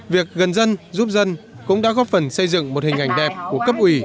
việc gần dân giúp dân cũng đã góp phần xây dựng một hình ảnh đẹp của cấp ủy